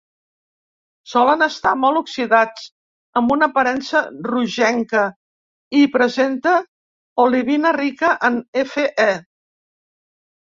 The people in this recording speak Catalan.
Solen estar molt oxidats, amb una aparença rogenca, i presenta olivina rica en Fe.